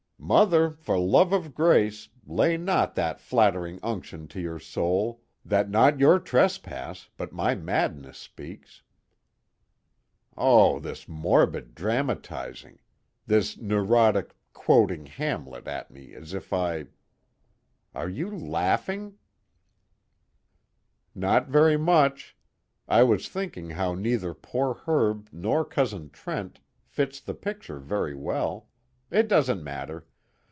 "'Mother, for love of grace, lay not that flattering unction to your soul, that not your trespass but my madness speaks.'" "Oh, this morbid dramatizing, this neurotic quoting 'Hamlet' at me as if I are you laughing?" "Not very much. I was thinking how neither poor Herb nor Cousin Trent fits the picture very well it doesn't matter.